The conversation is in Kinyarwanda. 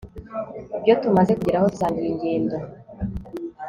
ibyo tumaze kugeraho dusangiye ingendo